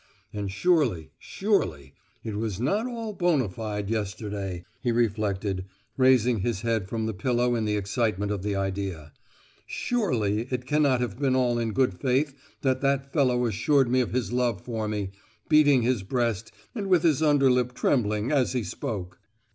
And surely—surely, it was not all bonâ fide yesterday," he reflected, raising his head from the pillow in the excitement of the idea. "Surely it cannot have been all in good faith that that fellow assured me of his love for me, beating his breast, and with his under lip trembling, as he spoke!